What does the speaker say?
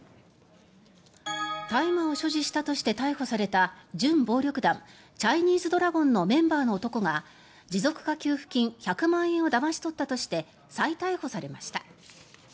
大麻を所持したとして逮捕された準暴力団チャイニーズドラゴンのメンバーの男が持続化給付金１００万円をだまし取ったとして再逮捕されました。